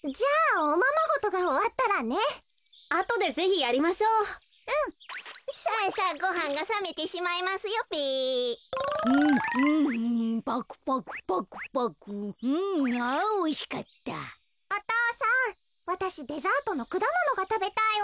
おとうさんわたしデザートのくだものがたべたいわ。